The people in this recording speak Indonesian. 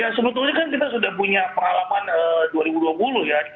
ya sebetulnya kan kita sudah punya pengalaman dua ribu dua puluh ya